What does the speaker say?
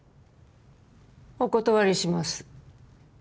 お断りします